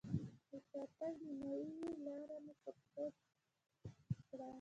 د شاتګ نیمایي لاره مې په پښو طی کړې وه.